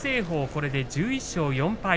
これで１１勝４敗。